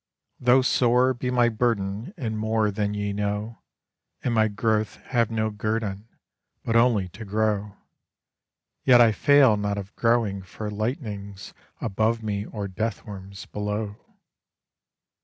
Though sore be my burden And more than ye know, And my growth have no guerdon But only to grow, Yet I fail not of growing for lightnings above me or deathworms below.